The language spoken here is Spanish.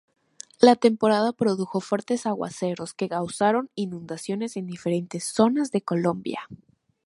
La temporada produjo fuertes aguaceros que causaron inundaciones en diferentes zonas de Colombia.